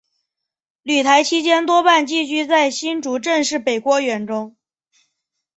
旅台期间多半寄居在新竹郑氏北郭园中。